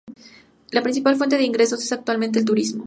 La principal fuente de ingresos es actualmente el turismo.